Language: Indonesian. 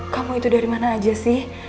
kamu itu dari mana aja sih